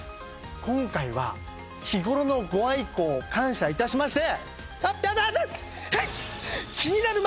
今回は日頃のご愛顧を感謝いたしましてパッはいっ！